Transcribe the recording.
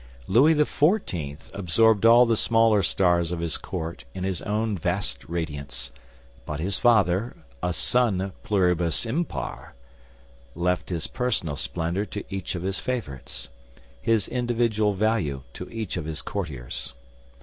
Louis XIV. absorbed all the smaller stars of his court in his own vast radiance; but his father, a sun pluribus impar, left his personal splendor to each of his favorites, his individual value to each of his courtiers.